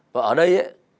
và ở đây